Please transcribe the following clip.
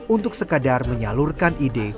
untuk sekadar menyalurkan ide